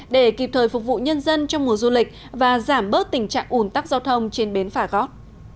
để kịp thời phục vụ nhân dân trong mùa du lịch và giảm bớt tình trạng ủn tắc giao thông trên bến phà gót